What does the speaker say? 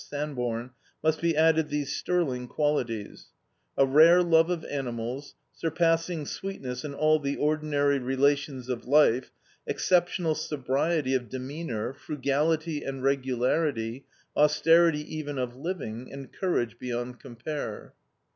Sanborn, must be added these sterling qualities: a rare love of animals, surpassing sweetness in all the ordinary relations of life, exceptional sobriety of demeanor, frugality and regularity, austerity, even, of living, and courage beyond compare.